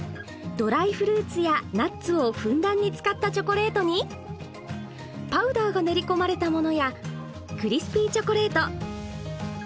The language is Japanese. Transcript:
ドライフルーツやナッツをふんだんに使ったチョコレートにパウダーが練りこまれたものやクリスピーチョコレート。